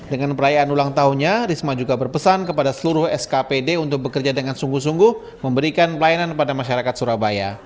dengan perayaan ulang tahunnya risma juga berpesan kepada seluruh skpd untuk bekerja dengan sungguh sungguh memberikan pelayanan kepada masyarakat surabaya